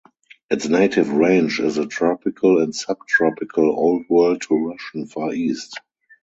Its native range is the tropical and subtropical Old World to Russian Far East.